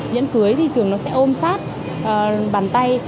nhẫn cưới thì thường nó sẽ ôm sát bàn tay